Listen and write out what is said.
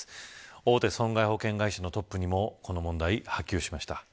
大手損害保険会社のトップにもこの問題、波及しました。